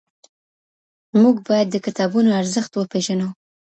موږ باید د کتابونو ارزښت وپېژنو.